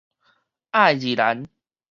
愛而蘭